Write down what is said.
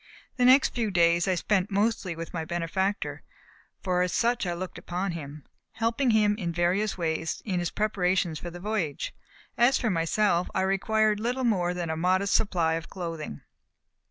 The next few days I spent mostly with my benefactor, for as such I looked upon him, helping him in various ways in his preparations for the voyage. As for myself, I required little more than a modest supply of clothing.